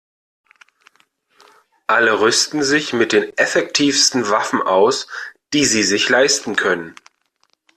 Alle rüsten sich mit den effektivsten Waffen aus, die sie sich leisten können.